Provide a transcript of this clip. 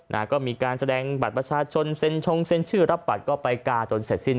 นะฮะก็มีการแสดงบัตรประชาชนเซ็นชงเซ็นชื่อรับบัตรก็ไปกาจนเสร็จสิ้น